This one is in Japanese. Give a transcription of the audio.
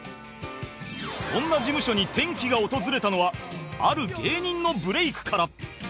そんな事務所に転機が訪れたのはある芸人のブレイクから